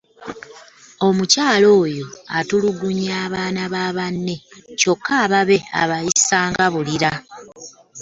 Omukyala oyo atulugunnya abaana ba banne kyoka ababe abayisa nga bulira.